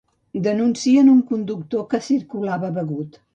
Denuncien un conductor que circulava begut.